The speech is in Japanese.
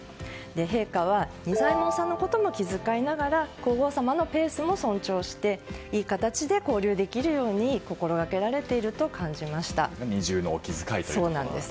陛下は仁左衛門さんのことも気遣いながら皇后さまのペースも尊重していい形で交流できるように二重のお気遣いと。